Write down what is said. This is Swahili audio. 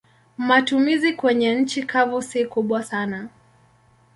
Matumizi kwenye nchi kavu si kubwa sana.